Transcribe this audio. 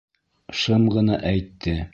Шым ғына әйтте.